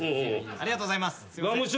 ありがとうございます。